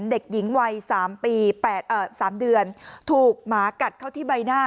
เด็กหญิงวัย๓ปี๓เดือนถูกหมากัดเข้าที่ใบหน้า